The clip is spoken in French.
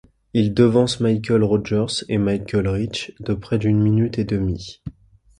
Il devance Michael Rogers et Michael Rich de près d'une minute et demi.